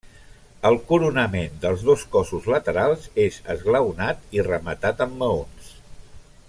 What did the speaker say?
El coronament dels dos cossos laterals és esglaonat i rematat amb maons.